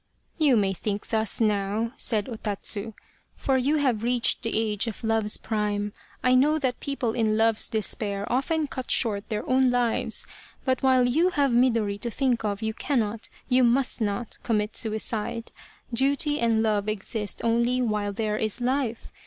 " You may think thus now," said O Tatsu, " for you have reached the age of love's prime. I know that people in love's despair often cut short their own lives, but while you have Midori to think of you cannot, you must not, commit suicide. Duty and love exist only while there is life.